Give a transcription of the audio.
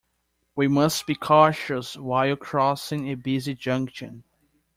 We must be cautious while crossing a busy junction.